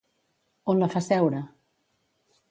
On la fa seure?